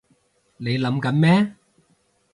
你諗緊咩？